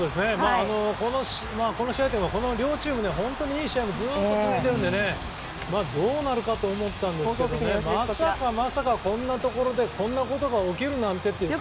この試合というかこの両チーム本当にいい試合もずっと続いているのでどうなるかと思ったんですけどまさかまさか、こんなところでこんなことが起きるなんてと。